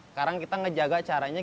sekarang kita ngejaga caranya